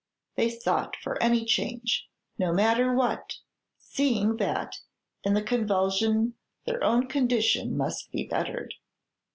They sought for any change, no matter what, seeing that in the convulsion their own condition must be bettered.